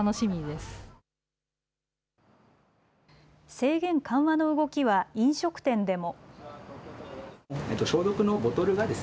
制限緩和の動きは飲食店でも。